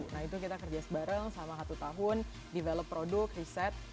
nah itu kita kerja bareng selama satu tahun develop produk riset